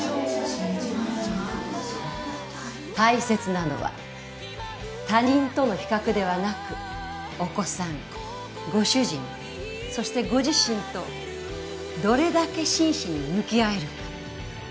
大切なのは他人との比較ではなくお子さんご主人そしてご自身とどれだけ真摯に向き合えるか？